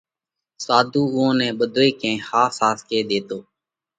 ساڌُو اُوئون نئہ ٻڌوئي ڪئين ۿاس ۿاس ڪي ۮيتو۔